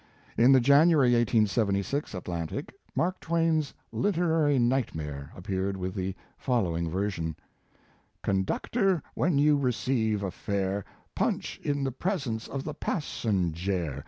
In the January, 1876, Atlantic, Mark Twain s "Literary Nightmare" appeared with the following version: Conductor, when you receive a fare, Punch in the presence of the passenjare